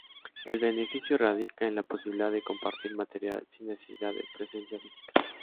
El beneficio radica en la posibilidad de compartir material sin necesidad de presencia física.